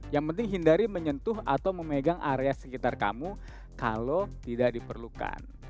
yang penting hindari menyentuh atau memegang area sekitar kamu kalau tidak diperlukan